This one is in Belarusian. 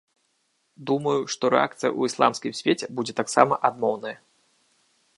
Думаю, што рэакцыя ў ісламскім свеце будзе таксама адмоўная.